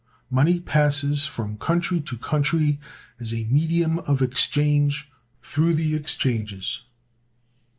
Money passes from country to country as a Medium of Exchange, through the Exchanges.